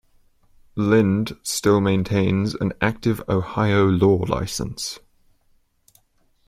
Lynd still maintains an active Ohio law license.